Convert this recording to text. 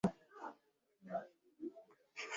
Watu wengi sana wakaikimbia Zanzibar ya enzi hizo